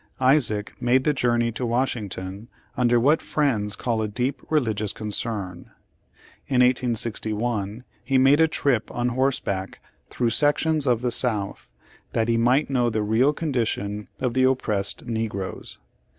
Isaac made the journey to Washington under what Friends call a deep religious concern. In 1861 he made a trip on horseback through sections of the South, that he might know the real condition of the "oppressed negroes."